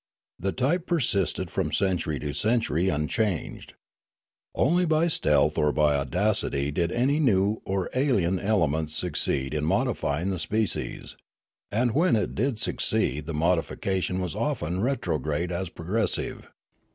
The type persisted from century to century unchanged. Only by stealth or by audacity did any new or alien element succeed in modifying the species; and when it did succeed the modification was as often retrograde as progressive.